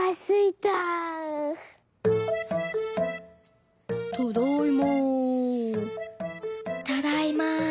「ただいま」。